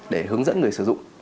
để hướng dẫn người sử dụng